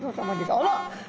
あら！